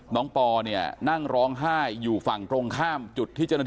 น้องปอเนี้ยนั่งร้องไห้